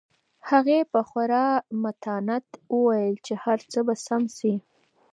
هغې په خورا متانت وویل چې هر څه به سم شي.